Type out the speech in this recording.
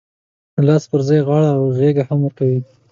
د لاس پر ځای غاړه او غېږ هم ورکوي.